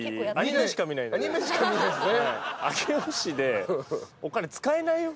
アニメしか見ないですね。